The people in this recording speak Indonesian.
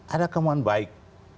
ada kemuan baik